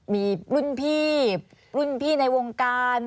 มีรุ่นพี่รุ่นพี่ในวงการ